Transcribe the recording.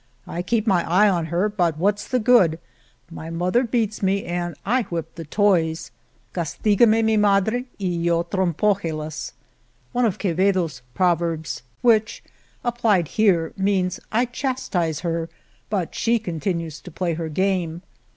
I keep my eye on her, but what's the good, * my mother beats me and I whip the toys '" {Castigame mi madre y yo trompdgelas), one of Quevedo's proverbs which, applied here, means I chastise her but she continues to play her game.